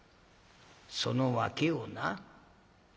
その訳をな。